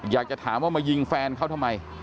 อยากจะถามว่ามายิงแฟนเขาทำไม